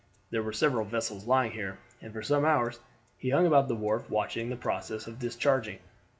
There were several vessels lying here, and for some hours he hung about the wharf watching the process of discharging.